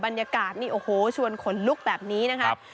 บรรยากาศนี่โอ้โหชวนขนลุกแบบนี้นะครับ